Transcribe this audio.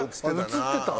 映ってた？